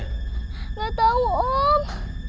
gak tau om